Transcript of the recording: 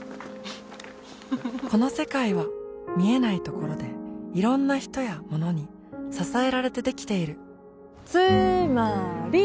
この世界は見えないところでいろんな人やものに支えられてできているつーまーり！